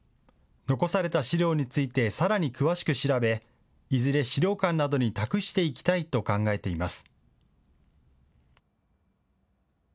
残された資料についてさらに詳しく調べ、いずれ資料館などに託していきたいと考えています。